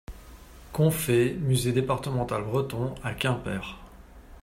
Confer Musée départemental Breton à Quimper.